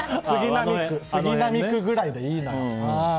杉並区ぐらいでいいのよ。